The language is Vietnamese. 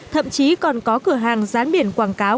thậm chí còn có cửa hàng dán biển quảng cáo